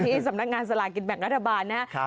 ที่สำนักงานสลากินแบ่งรัฐบาลนะครับ